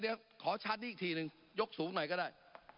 เดี๋ยวขอชาร์จนี้อีกทีหนึ่งยกสูงหน่อยก็ได้